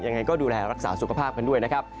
ยังไงก็ดูแลรักษาสุขภาพกันด้วยนะครับ